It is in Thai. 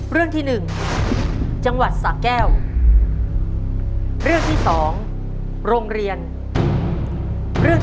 เรื่องที่หนึ่งจังหวัดสะแก้วเรื่องที่สองโรงเรียนเรื่อง